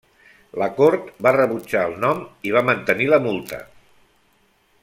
La cort va rebutjar el nom i va mantenir la multa.